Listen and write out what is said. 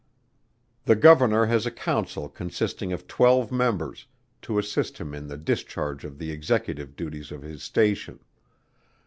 The Governor has a Council consisting of twelve Members, to assist him in the discharge of the executive duties of his station.